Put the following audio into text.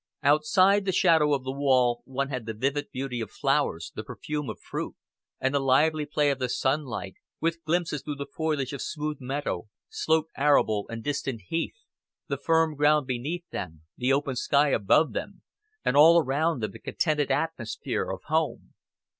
Outside the shadow of the wall one had the vivid beauty of flowers, the perfume of fruit, and the lively play of the sunlight; with glimpses through the foliage of smooth meadow, sloped arable, and distant heath; the firm ground beneath them, the open sky above them, and all around them the contented atmosphere of home.